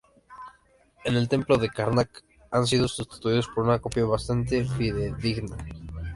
En el templo de Karnak han sido sustituidos por una copia bastante fidedigna.